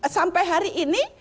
sampai hari ini